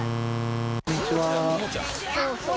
こんにちは。